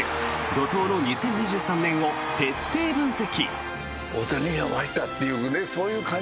怒とうの２０２３年を徹底分析！